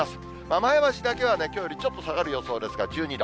前橋だけはきょうよりちょっと下がる予想ですが、１２度。